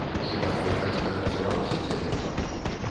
Хіба твой бацька адцураўся цябе?